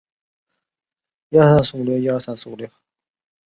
官至提督衔徐州镇总兵。